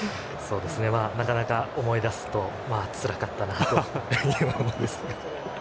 なかなか思い出すとつらかったなという思いです。